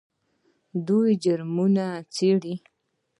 دوی جرمونه څیړي.